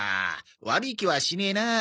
悪い気はしねえなあ。